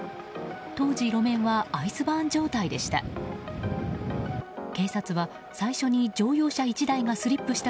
当時、路面はアイスバーン状態でした。